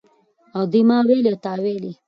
او د ما ویلي او تا ویلي